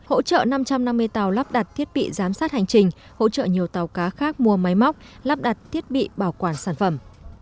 hỗ trợ năm trăm năm mươi tàu lắp đặt thiết bị giám sát hành trình hỗ trợ nhiều tàu cá khác mua máy móc lắp đặt thiết bị bảo quản sản phẩm